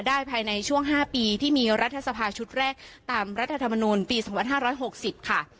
ได้ภายในช่วงห้าปีที่มีรัฐสภาชุดแรกตามรัฐธรรมนุนปีสองพันห้าร้อยหกสิบค่ะ